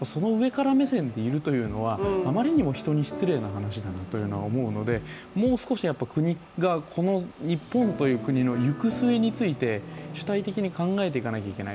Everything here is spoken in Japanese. ちょっとその上から目線でいるというのは、あまりにも人に失礼な話だと思うので、もう少し国がこの日本という国の行く末について主体的に考えていかなきゃいけない。